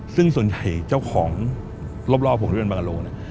ซึ่งส่วนใหญ่เจ้าของรอบผมที่บรรกาโลกนี้